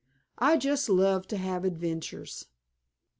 "I just love to have adventures."